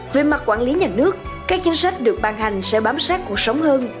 về mặt quản lý nhà nước các chính sách được ban hành sẽ bám sát cuộc sống hơn